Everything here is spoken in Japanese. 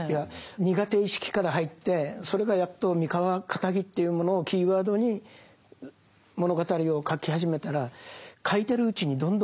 苦手意識から入ってそれがやっと三河かたぎというものをキーワードに物語を書き始めたら書いてるうちにどんどん筆がのってくる。